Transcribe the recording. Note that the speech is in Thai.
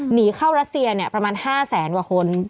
หนีเข้ารัสเซียประมาณ๕แสนกว่าคน